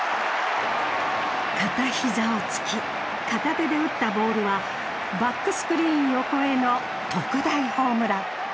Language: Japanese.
片ひざをつき片手で打ったボールはバックスクリーン横への特大ホームラン。